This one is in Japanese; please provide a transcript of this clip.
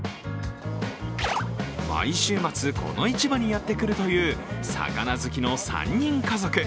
毎週末この市場にやってくるという魚好きの３人家族。